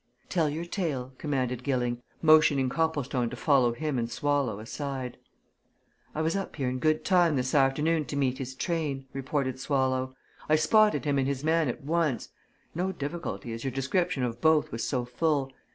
"Tell your tale," commanded Gilling, motioning Copplestone to follow him and Swallow aside. "I was up here in good time this afternoon to meet his train," reported Swallow. "I spotted him and his man at once; no difficulty, as your description of both was so full.